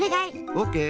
オッケー！